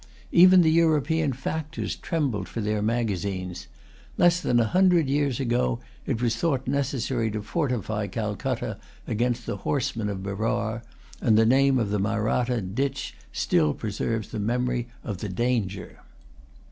Even the European factors trembled for their magazines. Less than a hundred years ago, it was thought necessary to fortify Calcutta against the horsemen of Berar, and the name of the Mahratta ditch still preserves the memory of the danger.